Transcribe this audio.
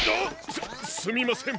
すっすみません